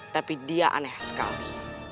tapi dia aneh sekali